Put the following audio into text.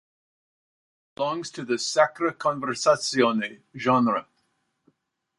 It belongs to the sacra conversazione genre.